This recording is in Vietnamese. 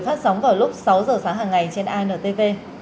phát sóng vào lúc sáu h sáng hàng ngày trên antv